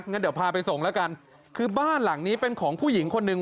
งั้นเดี๋ยวพาไปส่งแล้วกันคือบ้านหลังนี้เป็นของผู้หญิงคนหนึ่ง